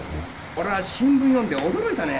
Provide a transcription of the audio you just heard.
俺は新聞読んで驚いたね。